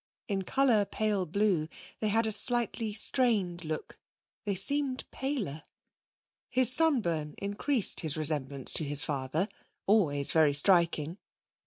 In colour pale blue, they had a slightly strained look. They seemed paler. His sunburn increased his resemblance to his father, always very striking.